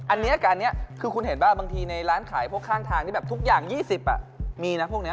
อันนี้คือคุณเห็นป่ะบางทีในร้านขายพวกข้างทางที่แบบทุกอย่าง๒๐มีนะพวกนี้